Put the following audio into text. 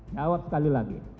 jawab sekali lagi